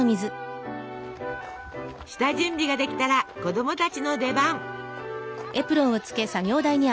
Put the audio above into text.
下準備が出来たら子供たちの出番！